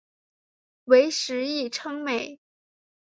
为时议称美。